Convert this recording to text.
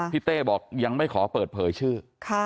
พี่เต้ยังไม่ขอเปิดเปลยชื่อ